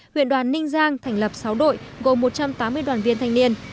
huyện đoàn ninh giang thành lập sáu đội gồm một trăm tám mươi đoàn viên thanh niên